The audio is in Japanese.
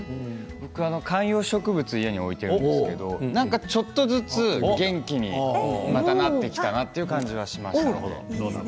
僕は観葉植物を家に置いているんですがちょっとずつ、また元気になってきたなという感じがします。